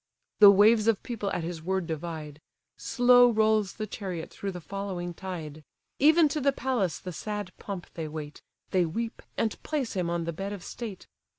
The waves of people at his word divide, Slow rolls the chariot through the following tide; Even to the palace the sad pomp they wait: They weep, and place him on the bed of state.